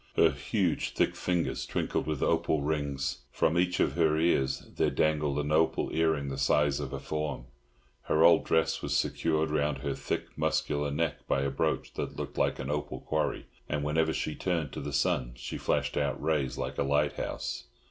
Her huge, thick fingers twinkled with opal rings; from each of her ears there dangled an opal earring the size of a form; her old dress was secured round her thick, muscular neck by a brooch that looked like an opal quarry, and whenever she turned to the sun she flashed out rays like a lighthouse.